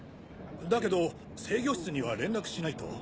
だけど制御室には連絡しないと。